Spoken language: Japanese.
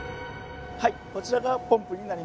はいこちらがポンプになります。